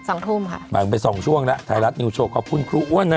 อ่านไป๒ช่วงแล้วไทรัฐนิวโชว์ขอบคุณครูอ้วนนะครับ